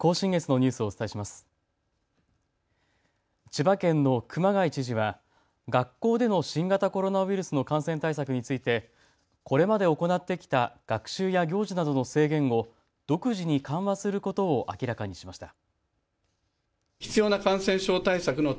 千葉県の熊谷知事は学校での新型コロナウイルスの感染対策についてこれまで行ってきた学習や行事などの制限を独自に緩和することを明らかにしました。